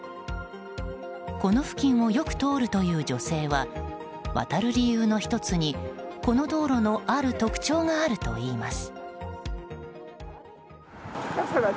この付近をよく通るという女性は渡る理由の１つにこの道路のある特徴があるといいます。